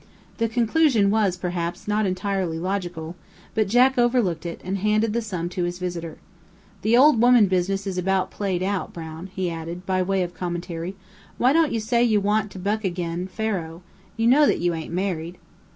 The conclusion was, perhaps, not entirely logical, but Jack overlooked it, and handed the sum to his visitor. "The old woman business is about played out, Brown," he added, by way of commentary; "why don't you say you want to buck agin' faro? You know you ain't married!"